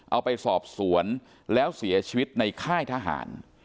เอาไปสอบสวนแล้วเสียชีวิตในค่ายทหาร